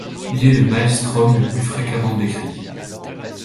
Il est le maelstrom le plus fréquemment décrit.